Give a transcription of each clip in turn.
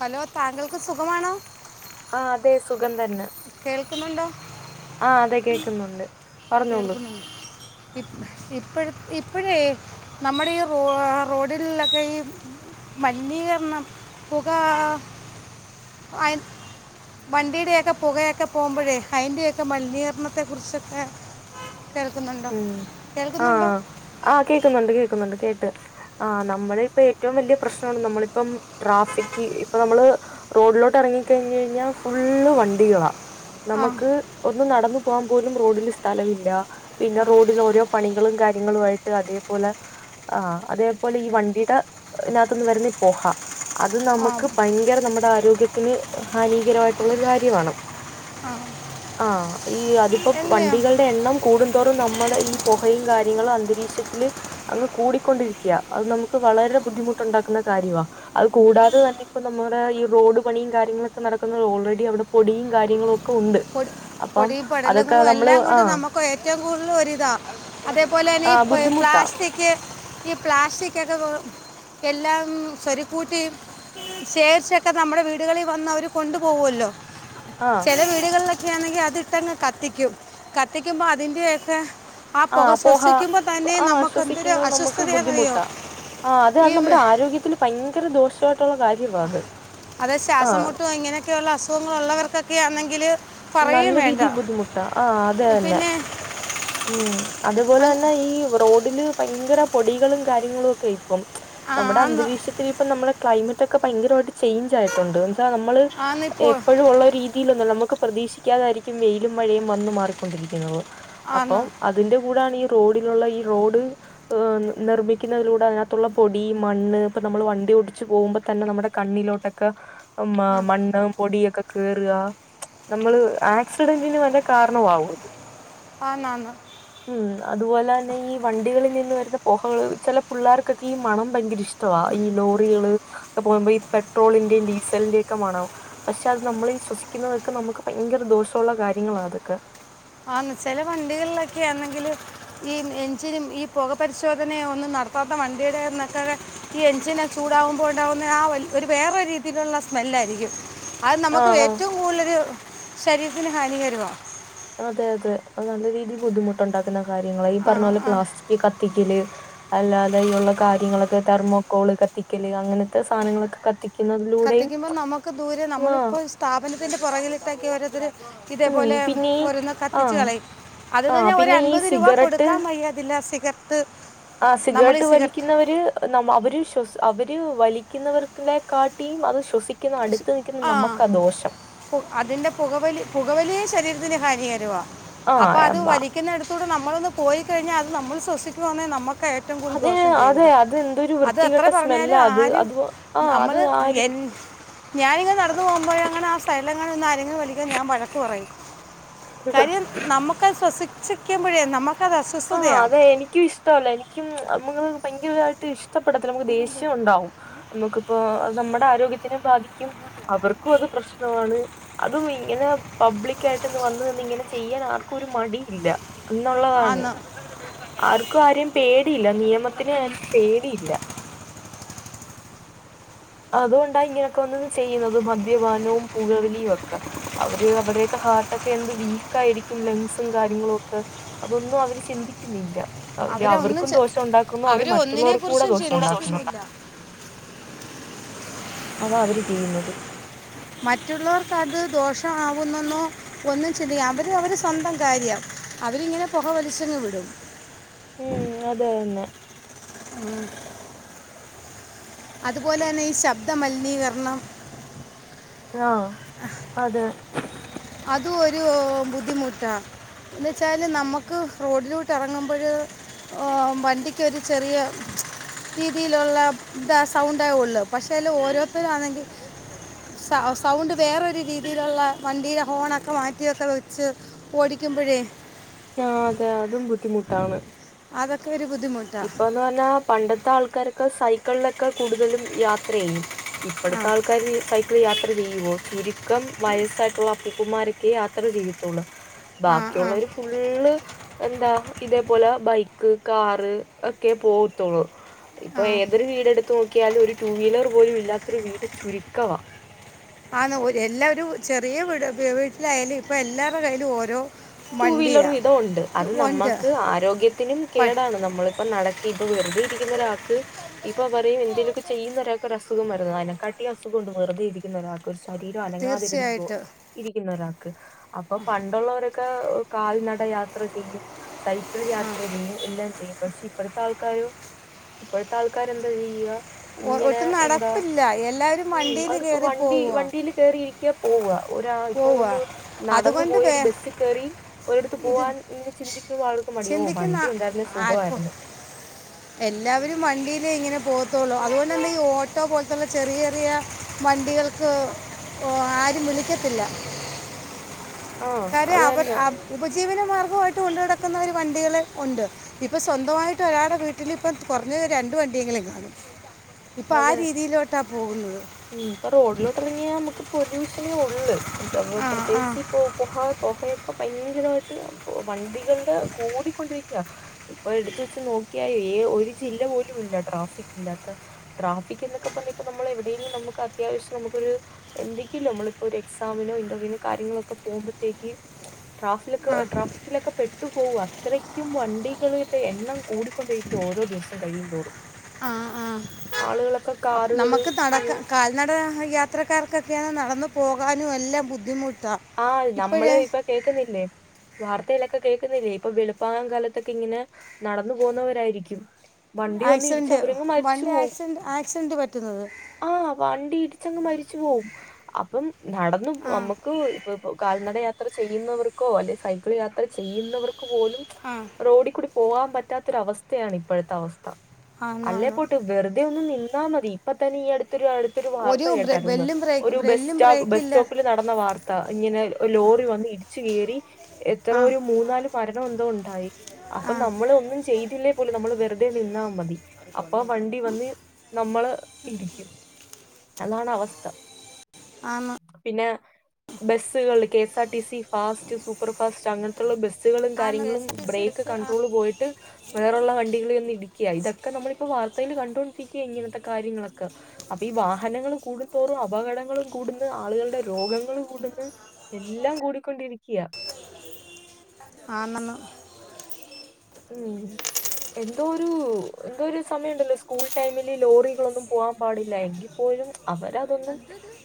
Hello താങ്കൾക്ക് സുഖമാണോ? ആ അതെ സുഖം തന്നെ. കേൾക്കുന്നുണ്ടോ? ആഹ അതെ കേൾക്കുന്നുണ്ട്. പറഞ്ഞോളൂ. ഇപ്പ ഇപ്പഴും ഇപ്പഴേ നമ്മുടെ ഈ റോ റോഡിലൊക്കെ ഈ, മലിനീകരണം, പുക വണ്ടിയുടെ ഒക്കെ. പുകയൊക്കെ പോകുമ്പോഴേ അതിൻ്റെയൊക്കെ മലിനീകരണത്തെ കുറിച്ചൊക്കെ. ഉം ആഹ് ആഹ് കേൾക്കുന്നുണ്ട് കേൾക്കുന്നുണ്ട് കേട്ട്. ആഹ് നമ്മള് ഇപ്പ ഏറ്റവും വല്ല്യ പ്രശ്നമാണ് നമ്മളിപ്പം ട്രാഫിക് ഇപ്പൊ നമ്മള്. റോഡിലോട്ട് എറങ്ങി കഴിഞ്ഞ് കഴിഞ്ഞാ ഫുള്ള് വണ്ടികളാ. ആ നമുക്ക് ഒന്ന് നടന്ന് പോവാൻ പോലും റോഡില് സ്ഥലവില്ല. പിന്നെ ആ റോഡില് ഓരോ പണികളും കാര്യങ്ങളു ആയിട്ട് അതേപോലെ. ആഹ് അതേപോലെ ഈ വണ്ടിടെ നകത്തുന്ന് വരുന്ന ഈ പൊഹ. അത് ആ നമുക്ക് ഭയങ്കര നമ്മുടെ ആരോഗ്യത്തിന് ഹാനികരായിട്ടുള്ള ഒരു കാര്യവാണ്. ആഹ്. ആഹ് ഈ അതിപ്പോ വണ്ടികളുടെ എണ്ണം കൂടും തോറും നമ്മടെ ഈ പൊഹയും കാര്യങ്ങളും അന്തരീക്ഷത്തില്. അങ്ങ് കൂടിക്കൊണ്ടിരിക്യാ അത് നമുക്ക് വളരെ ബുദ്ധിമുട്ടുണ്ടാക്കുന്ന കാര്യവാ. അത് കൂടാതെ തന്നെ ഇപ്പ നമ്മുടെ ഈ റോഡ് പണിയും കാര്യങ്ങളൊക്കെ നടക്കുന്നത് ഓൾറെഡി അവിടെ പൊടിയും കാര്യങ്ങളും ഒക്കെ ഉണ്ട്. പൊ അപ്പം പൊടി അതൊക്കെ പടലുങ്ങളും നമ്മള് എല്ലാം കൊണ്ട് ആഹ് നമ്മ ക്ക് ഏറ്റവും കൂടുതൽ ഒരിതാ അതേപോലെ തന്നെ ആഹ് ഈ ബുദ്ധിമുട്ടാ. പ്ലാസ്റ്റിക്. ക്ക് ഈ പ്ലാസ്റ്റിക്കൊക്കെ എല്ലാം സ്വരികൂട്ടി. ശേഖരിച്ചൊക്കെ നമ്മുടെ വീടുകളി വന്ന് അവര് കൊണ്ടു പോവുല്ലോ. ആഹ്. ചില വീടുകളിലൊക്കെയാണെങ്കി അതിട്ട് അങ്ങ് കത്തിക്കും കത്തിക്കുമ്പോ അതിന്റെയൊക്കെ. ആ പോക ആഹ് പോഹ ശ്വസിക്കുമ്പോ തന്നെ ആഹ് നമുക്ക് എന്തൊര് ശ്വസിക്കുന്നത് നമുക്ക് അസ്വസ്ഥതയാ യെന്ന് അറിയാമോ. ബുദ്ധിമുട്ടാ. ആഹ് അതെ അത് നമ്മുടെ ആരോഗ്യത്തില് ഭയങ്കര ദോഷായിട്ടുള്ള കാര്യമാ അത്. അത് ആഹ് ശ്വാസംമുട്ടും ഇങ്ങനെയൊക്കെയുള്ള അസുഖങ്ങൾ ഉള്ളവർക്കൊക്കെ ആന്നെങ്കില്. നല്ല രീതി ബുദ്ധിമുട്ടാ ആഹ് അത് തന്നെ. പിന്നെ ഉം അതുപോലെ അങ്ങ് തന്നെ ഈ റോഡില്. ഭയങ്കര പൊടികളും കാര്യങ്ങളും ഒക്കെ ഇപ്പം നമ്മടെ ആന്ന് അന്തരീക്ഷത്തിൽ ഇപ്പം നമ്മളെ ക്ലൈമറ്റ് ഒക്കെ ഭയങ്കരമായിട്ട് ചേയ്ഞ്ച് ആയിട്ടുണ്ട് എന്ന് വച്ചാ നമ്മള് ആന്ന് ഇപ്പോൾ എപ്പഴും ഉള്ള രീതിൽ ഒന്നും നമ്മക്ക് പ്രതീക്ഷിക്കാതായിരിക്കും വെയിലും, മഴയും വന്ന് മാറിക്കൊണ്ടിരിക്കുന്നത് ആന്ന് അപ്പം അ തിന്റെ കൂടാണ് ഈ റോഡിലുള്ള ഈ റോഡ്. നിർമ്മിക്കുന്നതിലൂടെ അതിനകത്തുള്ള പൊടി, മണ്ണ്, ഇപ്പൊ നമ്മൾ വണ്ടി ഓടിച്ച് പോകുമ്പോ തന്നെ നമ്മടെ കണ്ണിലോട്ടൊ ക്കെ മ ആ മണ്ണ്, പൊടി, ഒക്കെ കേറുക. നമ്മള് ആക്സിഡന്റിന് വരെ കാരണവാവും അത്. ആന്ന് ആന്ന്. ഉം അതുപോലെ തന്നെ ഈ വണ്ടികളിൽ നിന്ന് വരുന്ന പോഹകള് ചില പിള്ളാർക്കൊക്കെ ഈ മണം ഭയങ്കര ഇഷ് വാ ഈ ലോറികള് ഒക്കെ പോകുമ്പോ ഈ പെട്രോളിന്റെ, ഡീസലിന്റെ ഒക്കെ മണം. പക്ഷെ അത് നമ്മള് ശ്വസിക്കുന്നതൊക്കെ നമുക്ക് ഭയങ്കര ദോഷുള്ള കാര്യങ്ങളാ അതൊക്കെ. ആന്ന് ചെല വണ്ടികളിലൊക്കെ ആണെങ്കില്. ഈ എഞ്ചിനും ഈ പൊക പരിശോധന ഒന്നും നടത്താത്ത വണ്ടിയുടെന്ന് ഒക്കെ. ഈ എഞ്ചിനെ ചൂടാവുമ്പോ ഉണ്ടാവുന്ന ആ ഒരു ഒരുവേറെ രീതിയിലുള്ള സ്മെല്ല് ആയിരിക്കും. അത് നമുക്ക് ആഹ് ആഹ് ഏറ്റവും കൂടുതലൊരു ശരീരത്തിന് ഹാനികരുവാ. അതെ അതെ അത് നല്ല രീതിൽ ബുദ്ധിമുട്ടുണ്ടാക്കുന്ന കാര്യങ്ങളാ ഈ ആ പറഞ്ഞ പോലെ ആ പ്ലാസ്റ്റിക്ക് കത്തിക്കല്. അല്ലാതെയുള്ള കാര്യങ്ങളൊക്കെ തെർമോക്കോള് കത്തിക്കല് അങ്ങനത്തെ സാധനങ്ങളൊക്കെ കത്തി കത്തിക്കുമ്പോ നമുക്ക് ദൂരെ ആഹ് നമ്മളിപ്പോ സ്ഥാപനത്തിൻ്റെ പുറകിലിട്ട് ഒക്കെ ഓരോത്തര്. ഇതേ ഉം പോലെ പിന്നെ ഈ ഓരോന്ന് കത്തിച്ച് ആഹ് കളയും. അത് ആഹ് തന്നെ പിന്നെ ഈ ഒരൻപത് രുപ സിഗരറ്റ് കൊടുക്കാൻ വയ്യ തില് സിഖർട്ട്. ആ സിഗർറ്റ് വലിക്കുന്നവര്. നമ അവര് ശ്വസി അവര് വലിക്കുന്ന വരെ കാട്ടി അത് ശ്വസിക്ക ആഹ്. അതിന്റെ പുകവലി പുകവലി ശരീരത്തിന് ഹാനികരവാ ആ അപ്പൊ അത് അമ്മ വലി ക്കുന്നടുത്തൂടെ നമ്മളൊന്ന് പോയി കഴിഞ്ഞ അത് നമ്മൾ ശ്വസിക്കുവാന്നെ നമ്മ ഏറ്റവും കൂടുതൽ അതെ ദോഷം അതെ ചെയ്യുന്നത്. അതെന്തൊരു അത് എത്ര വൃത്തികെട്ട പറഞ്ഞാലു സ്മെല്ലാ അത് ആര് അത് ആ അമ്മൾ അത് ആരും എൻ ഞാനിങ്ങെന നടന്ന് പോകുമ്പോഴങ്ങനാ ആ സൈഡിലങ്ങാനാ നിന്ന് ആരെങ്കിലും വലിക്ക ഞാൻവഴക്ക് പറയും കാര്യം നമ്മക്കത് ശ്വസിച്ച് ഇക്ക്യുമ്പഴേ നമ്മ ആഹ് അതെ എനിക്യുഷ് ഇഷ്ടല്ല എനിക്കും [unintelligible] ഭയങ്കരവായിട്ട് ഇഷ്ടപ്പെടത്തില്ല നമക്ക് ദേഷ്യംണ്ടാവും നമുക്കിപ്പോ നമ്മുടെ ആരോഗ്യത്തിനെ ബാധിക്കും അവർക്കും അത് പ്രശ്ന വാണ്. അതും ഇങ്ങനെ പബ്ലിക്ക ആയിട്ട് ഇന്ന് വന്ന് നിന്ന് ഇങ്ങനെ ചെയ്യാൻ ആർക്കും ഒരു മടിയില്ല എന്നുള്ളതാണ് ആന്ന് ആർക്കും ആരെയും പേടിയില്ല നിയമത്തിന് ആരിം പേടിയില്ല അതുകൊണ്ടാ ഇങ്ങനെ ഒക്കെ വന്നന്ന് ചെയ്യുന്നത്. മദ്യപാനവും പൂകവലിയും ഒക്കെ അവര് അവരുടെയൊക്കെ ഹാർട്ടൊക്കെ എന്ത് വീക്ക് ആയിരിക്കും ലങ്സും കാര്യങ്ങളു ഒക്കെ അതൊന്നും അവര് ചിന്തിക്കുന്നില്ല അവ [unintelligible] അവരെ ഒന്നും അവർക്കും ചെ- ദോഷൊ ഉണ്ടാക്കുന്നു. അവർ അവരെ ഒന്നിനെ മറ്റുള്ളവർക്കും കൂടെ കുറിച്ചും ദോഷം ഉണ്ടാക്കുന്നു ചിന്തിക്കുന്നില്ല അതാ അവര് ചെയ്യുന്നത് മറ്റുള്ളവർക്ക് അത് ദോഷമാവുന്നൊന്നും ഒന്നും ചിന് അവര് അവര് സ്വന്തം കാര്യം. അവരിങ്ങനെ പൊകവലിച്ചങ്ങ് വിടും ഉം അത് തന്നെ ഉം അതുപോലെ തന്നെ ഈ ശബ്ദ മലിനീകര്ണം ആഹ് അതെ അത് ഒരു ബുദ്ധിമുട്ടാ എന്ന് വച്ചാല് നമ്മക്ക് റോഡിലൂട്ട് എറങ്ങുമ്പഴ ഔഹ് വണ്ടിക്കൊരു ചെറിയ രീതിയിലൊള്ള ത സൗണ്ടെ ഒള്ളു. പക്ഷേ ഇല് ഓരോര്ത്തരാണെങ്കി സൗണ്ട് വേറെരു രീതിയിലുള്ള വണ്ടീ ഫോണൊക്കെ മാറ്റിയൊക്കെ വെച്ച് ഓടിക്കുമ്പഴേ ആഹ് അതെ അതും ബുദ്ധിമുട്ടാണ് അതൊക്കെ ഒരു ബുദ്ധിമുട്ടാണ് ഇപ്പൊന്ന് പറഞ്ഞാ പണ്ടത്തെ ആൾക്കാരൊക്കെ സൈക്കള്ലൊക്കെ കൂടുതലും യാത്ര ചെയ്യും. ഇപ്പഴത്തെ ആ ആൾക്കാർ സ യാത്ര ചെയ്യുവോ ചുരുക്കം വയസ്സായിട്ടുള്ള അപ്പൂപ്പന്മാരൊക്കെ യാത്ര ചെയ്യെത്തുള്ളു ആ ആ ബാക്കിയുള്ളവർ ഫുള്ള് എന്താ ഇതേപോലെ ബൈക്ക് കാറ് ഒക്കെ പോവത്തുള്ളു ഇപ്പൊ ആ ഏതൊരു വീടെടുത്ത് നോക്കിയാലും ഒരു ടു വീലർ പോലും ഇല്ലാത്തൊരു വീട് ചുരുക്കവാ ആന്ന് എല്ലാവരും ചെറീയ വീട് വീട്ട്ലായാലും ഇപ്പൊ എല്ലാരുടെ കയ്യ്ലും ഓരോ ടു വീലർ വിധം ഉണ്ട്. വണ്ടിയാണ് അത് ഉണ്ട് നമ്മൾക്ക് ആരോഗ്യത്തിനും പ- കേടാണ് നമ്മൾ ഇപ്പൊ നടക്ക ഇപ്പൊ വെറുതെ ഇരിക്കുന്ന ഒരാക്ക് ഇപ്പൊ പറയും എന്തേലൊക്കെ ചെയ്യുന്ന ഒരാക്ക് ഒരു അസുഖം വരുന്നെ അയ്നെക്കാട്ടി അസുഖ ഉണ്ട്. വെറുതെ ഇരിക്കുന്ന ഒരാൾക്ക് ഒരു ശരീം അനങ്ങാതിരിന്നുക്കൊ തീർച്ചയായിട്ട് ഇരിക്കു സ ഒരാൾക്ക് അപ്പൊ പണ്ടുള്ളവരെ ക്കെ കാൽനട യാത്ര ചെയ്യും സൈക്കിൾ യാത്ര ചെയ്യും. എല്ലാം ചെയ്യും പക്ഷെ ഇപ്പഴത്തെ ആൾക്കാരോ ഇപ്പഴത്തെ ആൾക്കാർ എന്താ ചെയ്യ ഒ- ഇങ്ങനെ ഒട്ടും എന്താ നടപ്പില്ല എല്ലാവരും ഉം വണ്ടിയിൽ അവർക്ക് കയറി വണ്ടി പോവുക വണ്ടില് റി ഇരിക്ക പോവ ഒരാൾ ഇപ്പൊ പോവുക ഒന്ന് നടന്നപ അതുകൊണ്ട് വേ പോയൊരു ബ കേറി ഒരിടത്ത് ഇത് പോവാൻ ഇങ്ങെ ചിന്തിക്കുമ്പോ ആൾക്ക് മടി ഓ ചിന്തിക്കുന്ന വണ്ടി ഉണ്ടായിരുന്നെ ആർക്കും സുഖവായിരുന്നു എല്ലാവരും വണ്ടിയിലേ ഇങ്ങനെ പോഹത്തൊള്ളൂ. അതുകൊണ്ട് തന്നെ ഈ ഓട്ടോ പോലെത്തുള്ള ചെറിയ ചെറിയ വണ്ടികൾക്ക് ആരും വിളിക്കത്തില്ല ആ കാര്യ അത് ആവർ തന്നെ അവ ഉപജീവന മാർഗവായിട്ട് കൊണ്ട് നടക്കുന്ന ഒരു വണ്ടികള് ഉണ്ട് ഇപ്പൊ സ്വന്തവായിട്ട് ഒരാളെ വിട്ട് ട്ടിലിപ്പം കൊറ്ഞ്ഞെ രണ്ട് വണ്ടിയെങ്കിലും കാണും. ഇപ്പ ആ അത് രീതിയിലോട്ടാ പോകുന്നത് ഉം ഇപ്പൊ റോഡിലോട്ട് എറങ്ങിയാ നമക്ക് പൊല്യൂഷനേ ഒള്ള് ആ ആ പ്രത്യേകിച്ച് ഇപ്പൊ ഉഹ [unintelligible] യൊക്കെ ഭയങ്കര വായിട്ട് വണ്ടികള്ടെ കൂടിക്കൊണ്ടിരിക്ക ഇപ്പൊ എടുത്ത വച്ച് നോക്കിയാൽ ഏ ഒരു ജില്ല പോലും ഇല്ല ട്രാഫിക് ഇല്ലാത്ത ട്രാഫിക് എന്നൊക്കെ പറ ഇപ്പ നമ്മൾ എവിടെയേലും നമുക്ക് അത്യാശ്യം നമുക്കൊരു എന്തെങ്കിലും നമ്മളിപ്പോൊ ഒരു എക്സാമിനോ ഇന്റർവ്യൂവിനോ കാര്യങ്ങളൊക്കെ പോകുമ്പോഴത്തേക്ക് ട്രാഫ ആ ട്രാഫിക്കിലൊക്കെ പെ തട്ട് പോകാ അത്രക്കും വണ്ടികളുടെ എണ്ണം കൂടിക്കൊണ്ടിരിക്കുക ഓരോ ദിവസം കഴിയും തോറും ആഹ് ആളുകളൊക്കെ നമുക്ക് കാറുകള് നടക്ക കാൽ നട യാത്രക്കാർക്കൊക്കെയാണ് നടന്നു പോകാനും എല്ലാം ബുദ്ധിമുട്ടാ ആഹ് നമ്മള് ഇപ്പൊ കേക്കുന്നില്ലേ വാർത്തയിലൊക്കെ കേൾക്കുന്നില്ലേ ഇപ്പൊ വെളുപ്പാം കാലത്തൊക്കെ ഇങ്ങനെ നടന്നു പോകുന്നവരായിരിക്കും വണ്ടി വന്ന് ഇടിച്ച് ആക്സിഡന്റ് അവരങ്ങ് വണ്ടി ആക്സിഡന്റ് ആക്സിഡന്റ് പറ്റുന്നത് ആഹ് വണ്ടി ഇടിച്ചങ്ങ് മരിച്ചു പോവും അപ്പം നടന്നു ആ നമ്മക്ക് ഇപ്പം കാൽനട യാത്ര ചെയ്യുന്നവർക്കോ അല്ലെ സൈക്കിൾ യാത്ര ചെയ്യുന്നവർക്ക് പോലും ആഹ് റോഡി കൂടി പോകാൻ പറ്റാത്തൊരവസ്ഥയാണ് ഇപ്പോഴത്തെ അവസ്ഥ അല്ലേ ആന്നാന്ന് പോട്ട് വെറ് ഇതേ ഒന്ന് നിന്നാ മതി ഇപ്പ തന്നെ ഈയടുത്ത് ഒരുടു ഈയടുത്ത് ഒരു വാർത്ത ബ്രെ- കേട്ടാരുന്ന് ബെല്ലും ബ്രേക്ക് ഒര് ബസ് ബെല്ലും ബസ് ബ്രേക്കില്ല സ്റ്റോപ്പില് നടന്ന വാർത്ത ഇങ്ങനെ ലോറി വന്ന് ഇടിച്ചു കയറി എത്ര ആ ഒരു മൂന്നാല് മരണം എന്തോ ഉണ്ടായി അപ്പൊ ആ നമ്മൾ ഒന്നും ചെയ്തില്ലേ പോലും നമ്മള് വെറുതെ നിന്നാ മതി അപ്പൊ വണ്ടി വന്ന് നമ്മള് ഇടിക്കും അതാണ് അവസ്ഥ ആന്ന് പിന്നെ ബസ്സുകൾ K SR TC fast super fast അങ്ങന ബസുകളും ആന്ന് കെ കാര്യങ്ങളും S R T C break bus ആ- കണ്ട്രോള് പോയിട്ട് വേറുള്ള വണ്ടികള് ചെന്ന് ഇടിക്കുകയാ ഇതൊക്കെ നമ്മളിപ്പോ വാർത്തയിൽ കണ്ടുകൊണ്ടിരിക്കുകയാ ഇങ്ങനത്തെ കാര്യങ്ങളൊക്കെ അപ്പൊ ഈ വാഹനങ്ങള് കൂടും തോറും അപകടങ്ങളും കൂടുന്ന് ആളുകളുടെ രോഗങ്ങളും കൂ അവിന്ന് എല്ലാം കൂടിക്കൊണ്ടിരിക്കയാ ആന്നെന്ന് ഉം എന്തോ ഒരു എന്തോ ഒരു സമയം ഉണ്ടല്ലോ സ്കൂൾ ടൈമില് ലോറികളൊന്നും പോവാൻ പാടില്ല എങ്കിൽ പോലും അവരതൊന്നും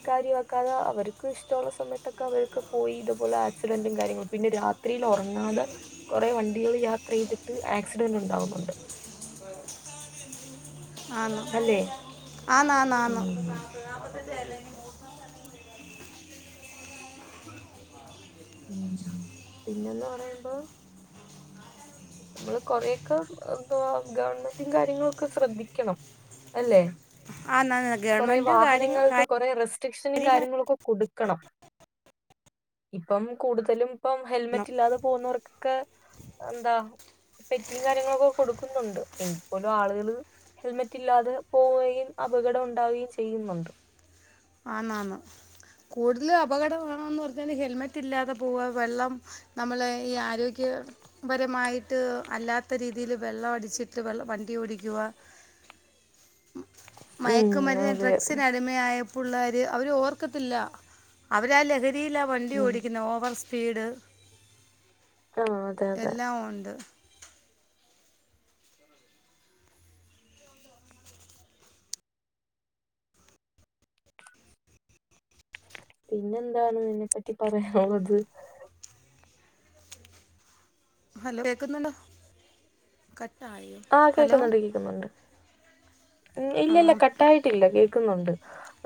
കാര്യമാക്കാതെ അവർക്ക് ഇഷ്ടമുള്ള സമയത്തൊക്കെ അവർക്ക് പോയി ഇതുപോലെ ആക്സിഡന്റും കാര്യങ്ങളും പിന്നെ രാത് രാത്രിയിൽ ഉറങ്ങാതെ കുറേ വണ്ടികൾ യാത്ര ചെയ്തിട്ട് ആക്സിഡന്റ് ഉണ്ടാവുന്നുണ്ട് ആന്ന് അല്ലേ ആന്ന് ആന്ന് ആന്ന് [inaudible] ഉം. പിന്നെന്ന് പറയുമ്പോ നമ്മള് കൊറേയൊക്കെ എന്തവാ ഗവൺമെന്റും കാര്യങ്ങളും ഒക്കെ ശ്രദ്ധിക്കണം അല്ലെ ആന്നാന്ന് കൊറേ ഗവൺമെൻറ് കാര്യങ്ങൾ വാഹനങ്ങൾക്ക് കുറേ റെസ്ട്രിക്ഷനും കാര്യമായിരുന്നു കാര്യങ്ങളുമൊക്കെ കൊടുക്കണം ഇപ്പം കൂടുതലും ഇപ്പം ഹെൽമെറ്റ് ഇല്ലാതെ പോകുന്നവർക്കൊക്കെ എന്താ പെറ്റിയും കാര്യങ്ങളൊക്കെ കൊടുക്കുന്നുണ്ട് എങ്കിൽപ്പോലും ആളുകള് ഹെൽമെറ്റ് ഇല്ലാതെ പോവുകയും അപകടം ഉണ്ടാവുകയും ചെയ്യുന്നുണ്ട് ആന്ന് ആന്ന് കൂടുതലും അപകടമാണന്ന് പറഞ്ഞാൽ ഹെൽമെറ്റ് ഇല്ലാതെ പോവുക വെള്ളം നമ്മള് ഈ ആരോഗ്യ പരമായിട്ട് അല്ലാത്ത രീതിയില് വെള്ളം അടിച്ചിട്ട് വെള്ള വണ്ടി ഓടിക്കുക ഉം മയക്കുമരുന്ന് അതെ ഡ്രഗ്സിനടി പിള്ളാര് അവര് ഓർക്കത്തില്ല അവരാ ലഹരിയിലാ വണ്ടി ഉം ഓടിക്കുന്ന ഓവർ സ് സ്പീട് ആഹ് അതെ അതെ എല്ലാം ഉണ്ട് പിന്നെന്താണ് ഇതിനേപറ്റി പറയാനുള്ളത് ഹലോ കേക്കുന്നുണ്ടോ കട്ട്‌ ആയോ ആഹ് കേക്കുന്നുണ്ട് കേക്കുന്നുണ്ട് ഉം ഇല്ല ആ ഇല്ലാ കട്ട് ആയിട്ടില്ലാ കേക്ക്ന്നോ ഇണ്ട്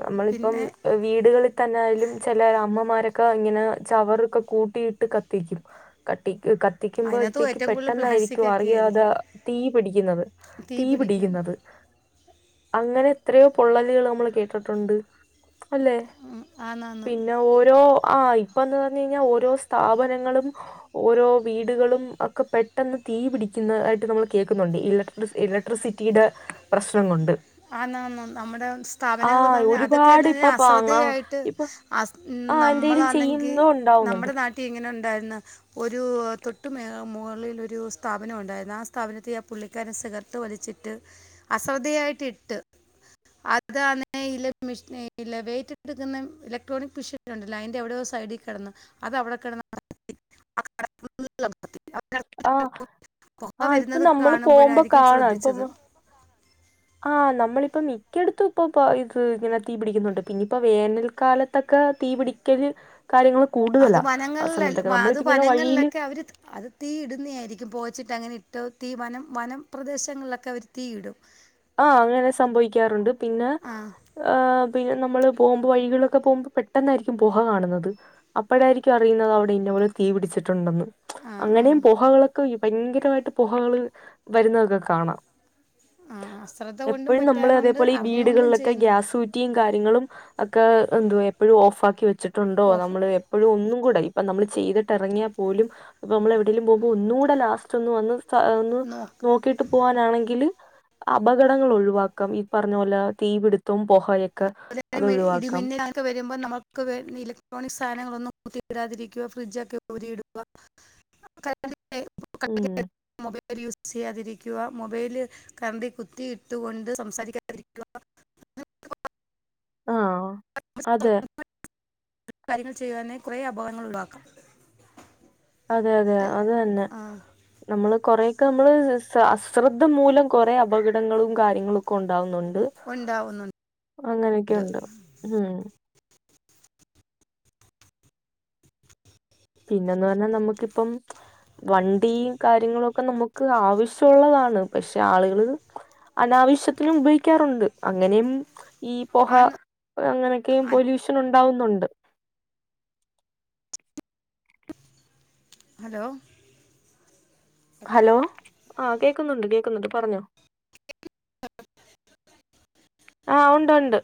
നമ്മളിപ്പം പിന്നെ വീടുകളി തന്നൊയാലും ചെല അമ്മമാരാക്കെ ഇങ്ങനെ ചവറൊക്കെ കൂട്ടിയിട്ട് കത്തിക്കും കത്തി അതിനകത്ത് കത്തിക്ക്യമ്പോഴത്തേക്ക് ഏറ്റവും കൂടുതൽ പ്ലാസ്റ്റിക് പെട്ടെന്നായിരിക്കും ഒക്കെ അറിയാതെ ആയിരിക്കും തീ പിടിക്ക്ന്നാത് തീ പിടിക്ക്ന്നാത് അങ്ങനെ എത്രയോ പൊള്ളല്കള് നമ്മള് കേട്ടിട്ടോണ്ട് അല്ലെ ഉം, ആന്നാന്ന് പിന്നെ ഓരോ ആയി ഇപ്പൊ എന്ന് പറഞ്ഞ് കയിഞ്ഞാ ഓരോ സ്ഥാപനങ്ങളും ഓരോ വീടുകളും ഒക്കെ പെട്ടെന്ന് തീ പിടിക്ക്ന്നാ ആയിട്ട് നമ്മള് കേക്ക്ന്നോണ്ട് ഇലക്ട്രി ഇലക്ട്രിസിറ്റിടെ പ്രശ്നം കൊണ്ട് ആന്ന് ആന്ന് നമ്മടെ സ്ഥാപനങ്ങളാന്ന് ആഹ് പറഞ്ഞാ അതൊക്കെ ഒരുപാട് എന്നാല് ഇപ്പൊ പാങ്ങ അശ്രദ്ധാ ആയിട്ട് ഇപ്പൊ ആഹ് സ് ആഹ് എന്തേലും നമ്മളാണെങ്കി ചെയ്യുന്നോ ഉണ്ടാവുന്നുണ്ട് നമ്മടെ നാട്ടി ഇങ്ങനെ ഒണ്ടാര്ന്ന് ഒരു തൊട്ട മേ മേളില് ഒര് സ്ഥാപനം ഒണ്ടാരുന്നു ആഹ് സ്ഥാപനത്തി ആഹ് പുള്ളി താ സിഗാർട്ട് വലിച്ചിട്ട് അശ്രദ്ധയായിട്ട് ഇട്ട് അതാണ് [unintelligible] ഇലക്ട്രോണിക് മിഷിൻ അയന്റെ എവടെയേ സൈഡി [unintelligible] ആഹ് [unintelligible] പൊക ആഹ് ഇപ്പൊ വരുന്നത് നമ്മള് കാണും പോകുമ്പോ മ്പോഴായിരിക്കും കാണാം ഇപ്പൊ ശ്രദ്ധിച്ചത് ആഹ് നമ്മളിപ്പം മിക്ക്യേയേടുത്തും ഇപ്പൊ ഇത് ഇങ്ങനെ തീ പിടിക്ക്ന്നോണ്ട് പിന്നി ഇപ്പേ വേനൽക്കാല തക്കെ തീ പിടിക്കല് കാര്യങ്ങള് അത് വനങ്ങളിലെക്കേ അത് വഴിയില് വനങ്ങളിലൊക്കെ അവര് അത് തീയിടുന്നെ ആയിരിക്കും പൊകച്ചിട്ട് അങ്ങനെ ഇട്ട് തീ വനം വനംപ്രദേശങ്ങളിലൊക്കെ അവര് തീയിടും ആഹ് അങ്ങനെ സംഭവിക്കാറ് ഒണ്ട് പിന്നെ ആ ആഹ് പിന്നെ നമ്മള് പോകുമ്പോ വഴിലൊടെക്കെ പോമ്പോ പെട്ടെന്നായിരിക്കും പുഹ കാണാന്നത് അപ്പോഴാരിക്കും അറിയ്ന്നാത് അവടെ ഇന്നാ പോലെ തീ പിടിച്ചിട്ട് ഒണ്ടാന്ന് ആ ആ അങ്ങനെയും പോഹകളൊക്കെ ബയങ്കരമായിട്ട് പോഹകള് വെര്ന്നാത് കാണാം ആഹ് ആഹ് സ് എപ്പോഴും നമ്മള് അതേപോലെ ഈ വീടുകളിലൊക്കെ ചെയ്യുന്നു ഗ്യാസുറ്റ് റ്റിയും കാര്യങ്ങളും ഒക്കെ എന്തുവ്യാ എപ്പോഴും ഓഫ് ആക്കി വെച്ചിട്ടുണ്ടോ ഓഫ് നമ്മളെ എപ്പോഴും ഒന്നും കൂടെ ഇപ്പം നമ്മള് ചെയ്തിട്ട് എറങ്ങയാ പോലും ഇപ്പം നമ്മള് എവിടെലും പോമ്പോ ഒന്നുടെ ലാസ്റ്റ് ഒന്ന് വന്ന് സാ ഒന്ന് നോക്ക് നോക്കിട്ട് പോവാനാണെങ്കില് അപകടങ്ങള് ഒഴിവാക്കാം ഈ പറഞ്ഞാ പോലെ തീപിടുത്തം പോഹയൊക്കെ അത് ഒഴിവാക്കാം ഒക്കെ വരുമ്പോ നമ്മക്ക് വേ ഇലക്ട്രോണിക് സാധനങ്ങളൊന്നും കുത്തി ഇടതിരിക്ക്യായാ ഫ്രിഡ്ജൊക്കെ ഊരി ഇട്കാ ഉം. [unintelligible] മൊബൈല് യൂസ് ചെയ്യാതിരിക്ക്യാ മൊബൈല് കാറാണ്ടി കുത്തി ഇട്ടുകൊണ്ട് സംസാരിക്ക്യായാതേ ഇരിക്ക്യൂവാ ആഹ് അതെ. [unintelligible] കാര്യങ്ങൾ ചെയ്യ്ന്നാതിന് കുറേ അപകടങ്ങൾ ഒഴിവാക്കം അതെ അതെ അത് തന്നെ നമ്മള് കൊറയൊക്കെ നമ്മള് സ അശ്രദ്ധ മൂലം കൊറെ അപകടങ്ങളും കാര്യങ്ങളൊക്കെ ഒണ്ടാവന്നോണ്ട് ഉണ്ടാവുന്നുണ്ട് അങ്ങനൊക്കെ ഒണ്ട് ഉം പിന്നെന്ന് പറഞ്ഞാ നമ്മാക്ക് ഇപ്പം വണ്ടിയും കാര്യങ്ങളൊക്കെ നമ്മക്ക് ആവിശോള്ളതാണ് പശേ ആള്കള് അനാവിശ്യത്തിനും ഉപയോഗിക്ക്യാറോണ്ട് അങ്ങനെയും ഈ പൊഹ ആണ്- അങ്ങനെയൊക്കെയും ആണ്. പൊല്യൂഷൻ ഒണ്ടാവന്നോണ്ട് ഹലോ ഹലോ ആഹ് കേക്ക്ന്നോണ്ട് കേക്ക്ന്നോണ്ട് പറഞ്ഞോ [inaudible] ആഹ് ഒണ്ട് ഒണ്ട്